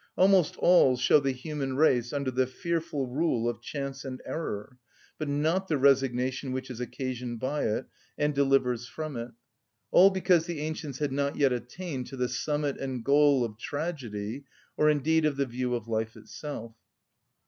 Almost all show the human race under the fearful rule of chance and error, but not the resignation which is occasioned by it, and delivers from it. All because the ancients had not yet attained to the summit and goal of tragedy, or indeed of the view of life itself.